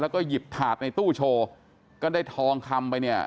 แล้วก็หยิบถาดในตู้โชว์ก็ได้ทองคำไปเนี่ย